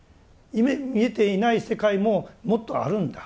見えていない世界ももっとあるんだ。